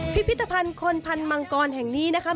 พิพิธภัณฑ์คนพันธ์มังกรแห่งนี้นะคะ